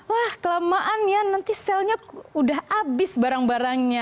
wah kelamaan ya nanti selnya udah habis barang barangnya